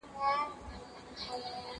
چي په ځان كي دا جامې د لوى سلطان سي